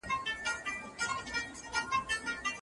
ځوان نسل ته باید د تاریخ ریښتینی انځور وښودل سي.